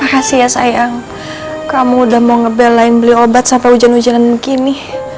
makasih ya sayang kamu udah mau ngebel lain beli obat sampai hujan hujanan gini